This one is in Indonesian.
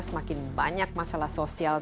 semakin banyak masalah sosial